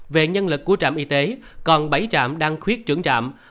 về nhân lực của trạm y tế còn bảy trạm đang khuyết trưởng trạm